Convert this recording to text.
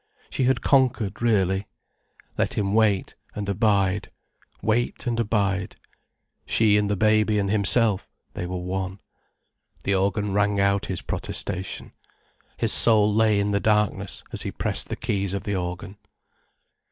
She had conquered, really. Let him wait, and abide, wait and abide. She and the baby and himself, they were one. The organ rang out his protestation. His soul lay in the darkness as he pressed the keys of the organ.